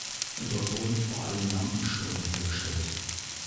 Dort wurden vor allem Lampenschirme hergestellt.